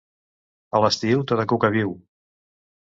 A l'estiu tota cuca viu.